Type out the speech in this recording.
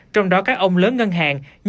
trong đó các ông lớn ngân hàng như